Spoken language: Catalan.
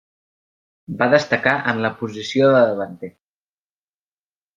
Va destacar en la posició de davanter.